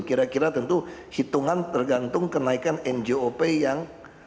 kira kira tentu hitungan tergantung kenaikan njop yang